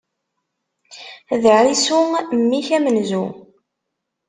D Ɛisu! Mmi-k amenzu.